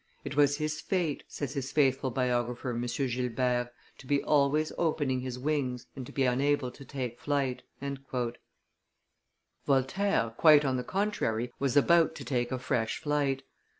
"It was his fate," says his faithful biographer, M. Gilbert, "to be always opening his wings and to be unable to take flight." Voltaire, quite on the contrary, was about to take a fresh flight.